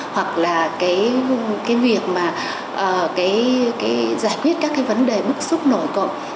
hoặc là cái việc mà cái giải quyết các cái vấn đề bức xúc nổi cộng